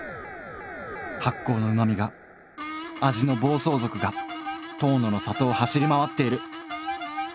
発酵の旨味が味の暴走族が遠野の里を走り回っている！